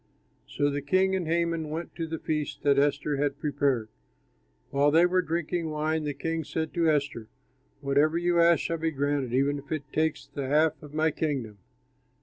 So the king and Haman went to the feast that Esther had prepared. While they were drinking wine, the king said to Esther, "Whatever you ask shall be granted, even if it takes the half of my kingdom."